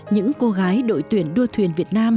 những cô gái đội tuyển đua thuyền việt nam